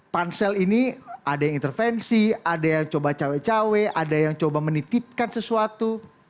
pansel ini ada yang intervensi ada yang coba cewe cewe ada yang menitipkan sesuatu